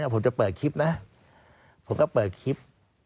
ผมก็เปิดคลิป